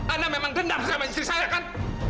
anda memang dendam sama istri saya kan